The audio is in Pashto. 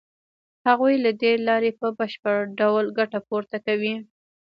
هغوی له دې لارې په بشپړ ډول ګټه پورته کوي